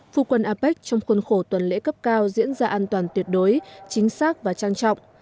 phu quân apec trong khuôn khổ tuần lễ cấp cao diễn ra an toàn tuyệt đối chính xác và trang trọng